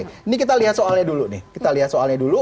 ini kita lihat soalnya dulu nih kita lihat soalnya dulu